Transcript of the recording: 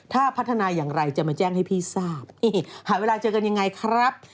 ถ้าพัฒนาอย่างไรจะมาแจ้งให้พี่ทราบนี่หาเวลาเจอกันยังไงครับ